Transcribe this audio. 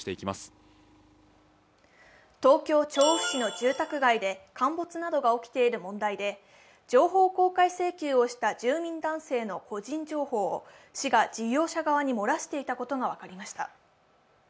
東京・調布市の住宅街で陥没などが起きている問題で情報公開請求をした住民男性の個人情報を市が事業者側に漏らしていたことが分かりました。